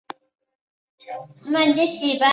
这些炮支的射程为。